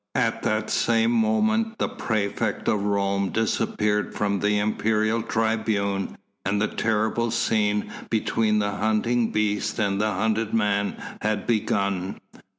At that same moment the praefect of Rome disappeared from the imperial tribune, and the terrible scene between the hunting beast and the hunted man had begun.